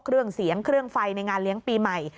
เครื่องเสียงเครื่องไฟในงานเลี้ยงปีใหม่